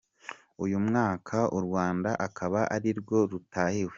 Uyu mwaka u Rwanda akaba arirwo rutahiwe.